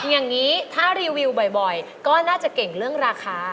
อย่างนี้ถ้ารีวิวบ่อยก็น่าจะเก่งเรื่องราคา